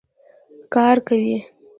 کار کوي.